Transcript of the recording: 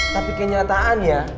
tapi kenyataan ya